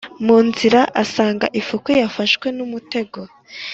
Mu nzira asanga ifuku yafashwe n' umutego;